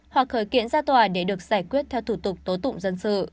hoặc khởi kiện ra tòa để được giải quyết theo thủ tục tố tụng dân sự